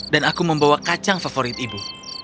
dan aku membawa kacang favorit ibu